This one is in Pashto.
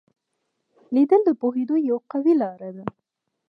لیدل د پوهېدو یوه قوي لار ده